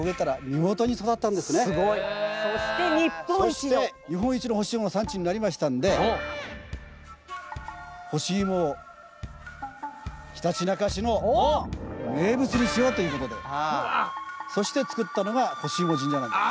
そして日本一の干し芋の産地になりましたんで干し芋をひたちなか市の名物にしようっていうことでそして作ったのがほしいも神社なんです。